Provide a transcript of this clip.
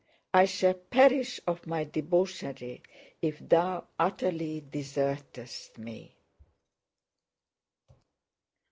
I shall perish of my debauchery if Thou utterly desertest me!